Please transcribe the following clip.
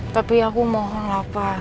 tapi aku mohonlah pak